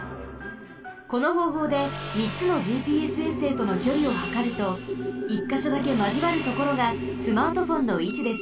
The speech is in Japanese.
このほうほうでみっつのＧＰＳ衛星とのきょりをはかると１かしょだけまじわるところがスマートフォンのいちです。